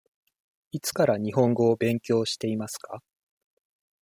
いつから日本語を勉強していますか。